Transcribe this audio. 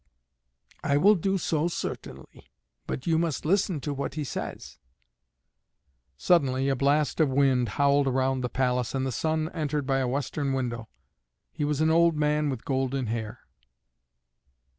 "I will do so certainly, but you must listen to what he says." Suddenly a blast of wind howled round the palace, and the Sun entered by a western window. He was an old man with golden hair.